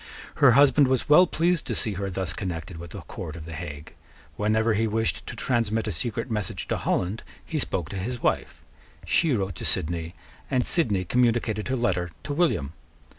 Her husband was well pleased to see her thus connected with the court of the Hague. Whenever he wished to transmit a secret message to Holland, he spoke to his wife: she wrote to Sidney; and Sidney communicated her letter to William.